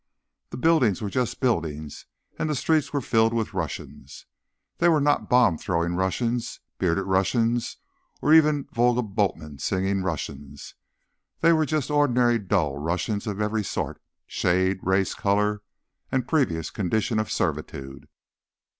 The buildings were just buildings, and the streets were filled with Russians. They were not bomb throwing Russians, bearded Russians or even "Volga Boatman" singing Russians. They were just ordinary, dull Russians of every sort, shade, race, color and previous condition of servitude.